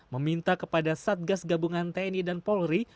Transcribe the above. meminta kepada satgas gabungan tni dan polri